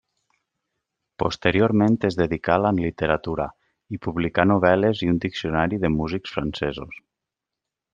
Posteriorment es dedicà a la literatura, i publicà novel·les i un Diccionari de músics francesos.